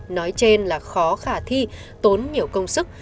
nói trên là khó khả thi tốn nhiều công sức